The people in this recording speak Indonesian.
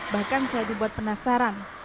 bahkan saya dibuat penasaran